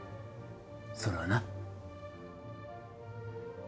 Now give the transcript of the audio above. それはな。